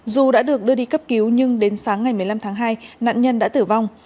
dù đã được đưa đi cấp cứu nhưng đến sáng ngày một mươi năm tháng hai nạn nhân đã tử vong